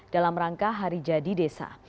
dalam rangka hari jadi desa